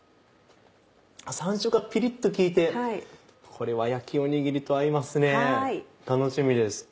山椒がピリっと効いてこれは焼きおにぎりと合いますね楽しみです。